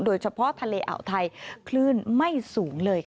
โดยเฉพาะทะเลอ่าวไทยคลื่นไม่สูงเลยค่ะ